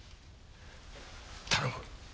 頼む